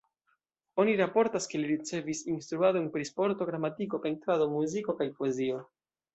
Oni raportas, ke li ricevis instruadon pri sporto, gramatiko, pentrado, muziko kaj poezio.